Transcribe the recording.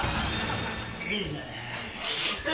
いいねぇ。